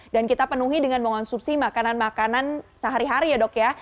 dan kita penuhi dengan mengonsumsi makanan makanan sehari hari ya dok ya